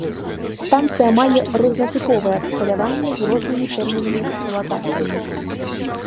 Станцыя мае рознатыповае абсталяванне з рознымі тэрмінамі эксплуатацыі.